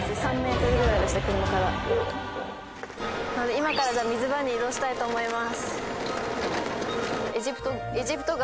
今から水場に移動したいと思います。